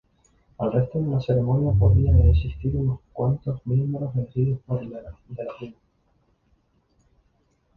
Al resto de la ceremonia podían asistir unos cuantos miembros elegidos de la tribu.